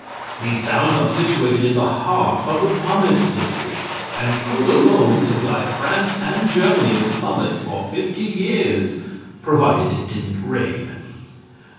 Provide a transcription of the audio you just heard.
These towns are situated in the heart of the pumice district and could alone supply France and Germany with pumice for fifty years, provided it didn't rain.